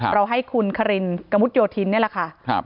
เราให้คุณคารินกระมุดโยธินนี่แหละค่ะ